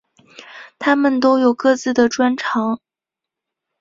他们都有各自的专长。